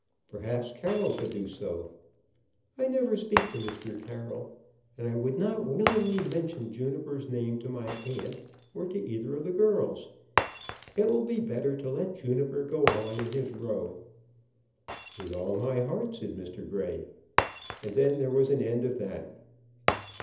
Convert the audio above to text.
"Perhaps Carroll could do so." "I never speak to Mr. Carroll. And I would not willingly mention Juniper's name to my aunt or to either of the girls. It will be better to let Juniper go on in his row." "With all my heart," said Mr. Grey. And then there was an end of that.